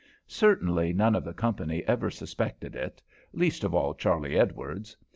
Certainly none of the company ever suspected it, least of all Charley Edwards.